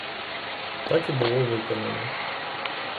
Так і було виконано.